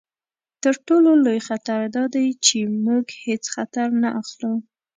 تر ټولو لوی خطر دا دی چې موږ هیڅ خطر نه اخلو.